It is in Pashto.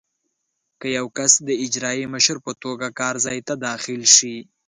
که یو کس د اجرایي مشر په توګه کار ځای ته داخل شي.